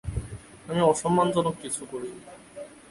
আমি অসম্মানজনক কিছু করিনি।